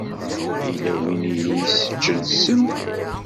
Yella win i yi-iseččen ssem.